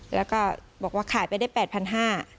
แล้วก็บอกว่าขายไปได้๘๕๐๐บาท